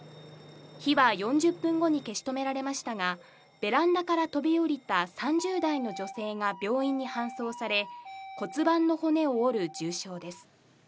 火は４０分後に消し止められましたが、ベランダから飛び降りた３０代の女性が病院に搬送され、骨盤の骨を折る重傷です。